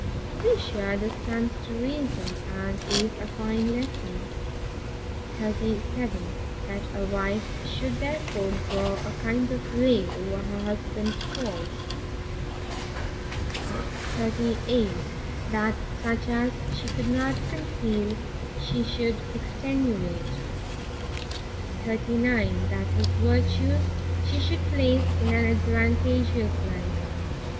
To be sure this stands to reason, and is a fine lesson. 37. That a wife should therefore draw a kind veil over her husband's faults. 38. That such as she could not conceal, she should extenuate. 39. That his virtues she should place in an advantageous light 40.